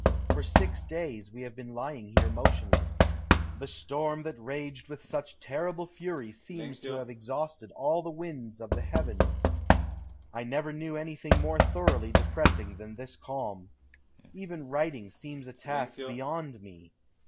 For six days we have been lying here motionless. The storm that raged with such terrible fury seems to have exhausted all the winds of the heavens. I never knew anything more thoroughly depressing than this calm. Even writing seems a task beyond me.